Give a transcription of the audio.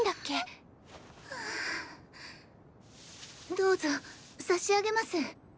どうぞ差し上げます。